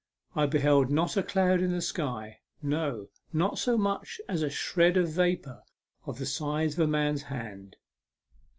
I beheld not a cloud in the sky no, not so much as a shred of vapour of the size of a man's hand.